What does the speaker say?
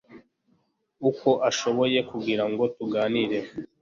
uko ashoboye kugira ngo tuganire,